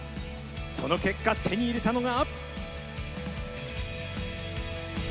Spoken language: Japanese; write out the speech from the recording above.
その結果手に入れたのが。